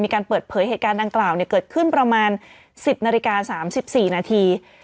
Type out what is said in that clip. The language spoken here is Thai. มีการเปิดเผยเหตุการณ์ดังกล่าวเกิดขึ้นประมาณ๑๐นาฬิกา๓๔นาที